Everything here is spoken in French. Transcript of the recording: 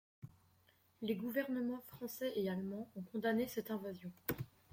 Les gouvernements français et allemand ont condamné cette invasion.